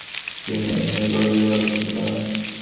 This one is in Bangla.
তিনি এই নিয়ে গভীরভাবে চিন্তা করেন।